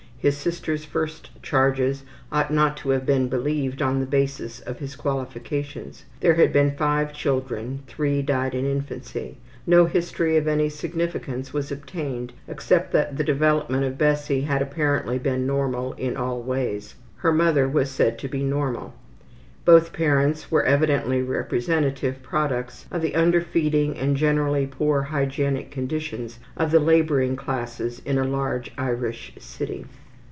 His sister's first charges ought not to have been believed on the basis of his qualifications. There had been 5 children, 3 died in infancy. No history of any significance was obtained except that the development of Bessie had apparently been normal in all ways. Her mother was said to be normal. Both parents were evidently representative products of the underfeeding and generally poor hygienic conditions of the laboring classes in a large Irish city.